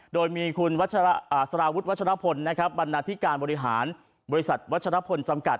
โดยมีคุณสารวุฒิวัชรพลนะครับบรรณาธิการบริหารบริษัทวัชรพลจำกัด